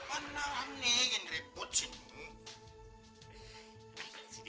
mana aneh yang ribut sih